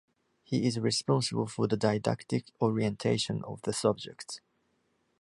He is responsible for the didactic orientation of the subjects.